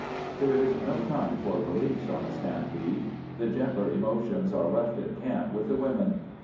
There is no time for reliefs on a stampede. The gentler emotions are left in camp with the women.